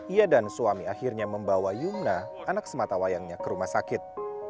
ia dan suami akhirnya membawa yumna anak sematawayangnya ke rumah sakit